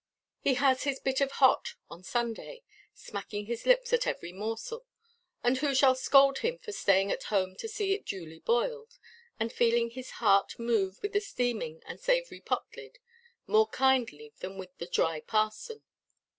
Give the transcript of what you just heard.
He has his bit of hot on Sunday, smacking his lips at every morsel; and who shall scold him for staying at home to see it duly boiled, and feeling his heart move with the steaming and savoury pot–lid more kindly than with the dry parson?